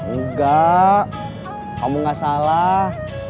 enggak kamu gak salah